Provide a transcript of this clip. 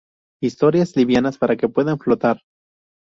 Historias livianas para que puedan flotar.